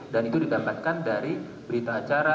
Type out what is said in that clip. itu didapatkan dari berita acara